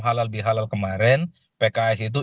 halal bihalal kemarin pks itu